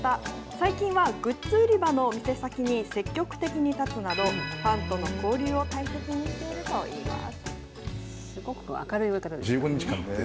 最近はグッズ売り場の店先に積極的に立つなど、ファンとの交流を大切にしているといいます。